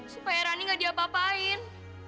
supaya rani gak diapa apain